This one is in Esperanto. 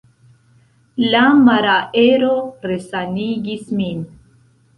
La maraero resanigis min.